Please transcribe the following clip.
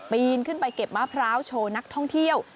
ปีนขึ้นไปเก็บมะพร้าวโชว์นักท่องเที่ยว